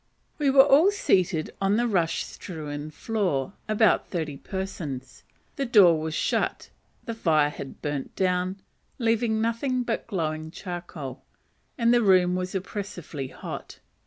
We were all seated on the rush strewn floor; about thirty persons. The door was shut; the fire had burnt down, leaving nothing but glowing charcoal, and the room was oppressively hot.